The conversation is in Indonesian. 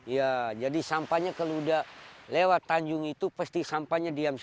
ya jadi sampahnya kalau udah lewat tanjung itu pasti sampahnya diam